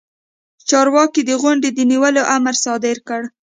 چارواکي د غونډې د نیولو امر صادر کړ.